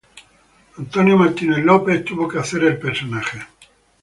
John Phillip Law hubo de hacer el personaje.